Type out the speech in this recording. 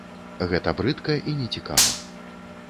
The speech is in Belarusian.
Гэта брыдка і нецікава.